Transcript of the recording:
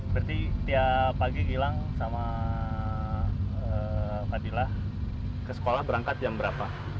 berarti tiap pagi gilang sama fadilah ke sekolah berangkat jam berapa